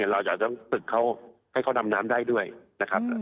เราจะต้องฝึกเขาให้เขาดำน้ำได้ด้วยนะครับ